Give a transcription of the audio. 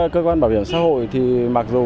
cơ quan bảo hiểm xã hội thì mặc dù